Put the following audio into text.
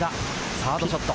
サードショット。